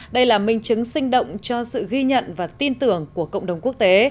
đây là minh chứng sinh động cho sự ghi nhận và tin tưởng của cộng đồng quốc tế